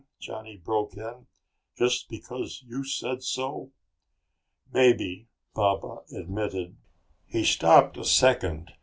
Johnny broke in. "Just because you said so?" "Maybe," Baba admitted. "He stopped a second.